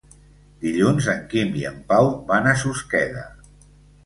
Dilluns en Quim i en Pau van a Susqueda.